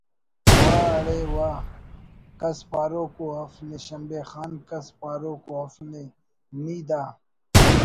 واہ اُڑے واہ……کس پاروک ءُ اف نے شمبے خان کس پاروکءُ اف نے…… نی دا